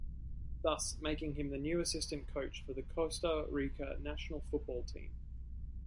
Thus making him the new assistant coach for the Costa Rica national football team.